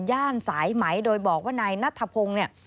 ย่านสายไหมโดยบอกว่านายนัทธพงษ์